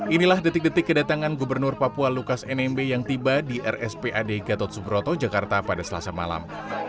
inilah detik detik kedatangan gubernur papua lukas nmb yang tiba di rspad gatot subroto jakarta pada selasa malam